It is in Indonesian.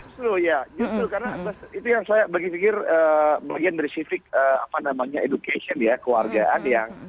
justru ya justru karena itu yang saya bagi pikir bagian dari civic apa namanya education ya keluargaan yang